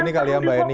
jadi kalau memahami